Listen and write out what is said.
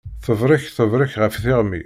Tebrek tebrek ɣef tiɣmi.